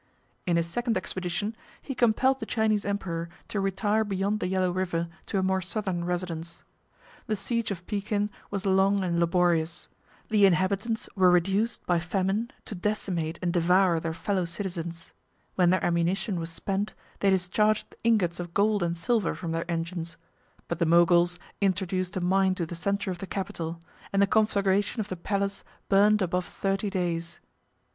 In his second expedition, he compelled the Chinese emperor to retire beyond the yellow river to a more southern residence. The siege of Pekin 19 was long and laborious: the inhabitants were reduced by famine to decimate and devour their fellow citizens; when their ammunition was spent, they discharged ingots of gold and silver from their engines; but the Moguls introduced a mine to the centre of the capital; and the conflagration of the palace burnt above thirty days.